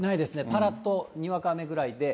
ぱらっと、にわか雨ぐらいで。